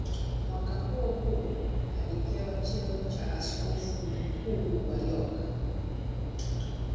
Mwaka huohuo alipewa cheo cha askofu mkuu wa York.